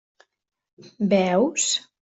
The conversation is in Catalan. Veus?